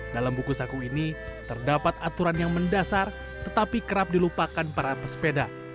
dalam buku saku ini terdapat aturan yang mendasar tetapi kerap dilupakan para pesepeda